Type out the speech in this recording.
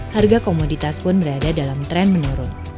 harga komoditas pun berada dalam tren menurun